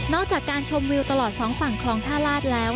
จากการชมวิวตลอดสองฝั่งคลองท่าลาศแล้ว